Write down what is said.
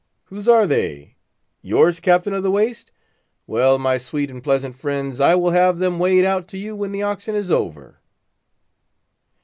_" "Whose are they? Yours, Captain of the Waist? Well, my sweet and pleasant friend, I will have them weighed out to you when the auction is over."